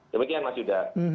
demikian mas yudha